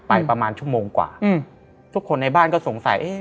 ประมาณชั่วโมงกว่าอืมทุกคนในบ้านก็สงสัยเอ๊ะ